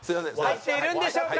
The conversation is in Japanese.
入っているんでしょうか？